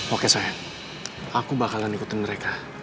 oke saya aku bakalan ikutin mereka